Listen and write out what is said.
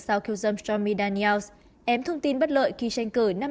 sau khiêu dâm stormy daniels ém thông tin bất lợi khi tranh cử năm hai nghìn một mươi sáu